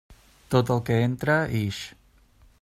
Tot el que entra, ix.